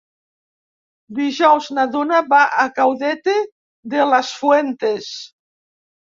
Dijous na Duna va a Caudete de las Fuentes.